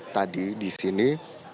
tadi di sini